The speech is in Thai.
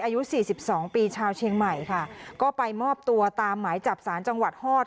อายุสี่สิบสองปีชาวเชียงใหม่ค่ะก็ไปมอบตัวตามหมายจับสารจังหวัดฮอต